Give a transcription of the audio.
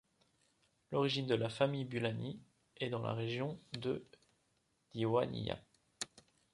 L'origine de la famille de Bulani est la région de Diwaniyah.